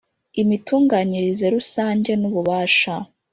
Imitunganyirize rusange n Ububasha